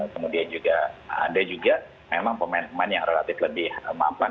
kemudian juga ada juga memang pemain pemain yang relatif lebih mampan